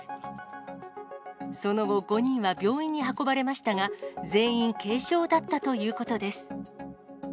その後、５人は病院に運ばれましたが、全員、軽傷だったということです。